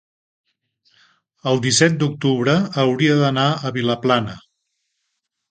el disset d'octubre hauria d'anar a Vilaplana.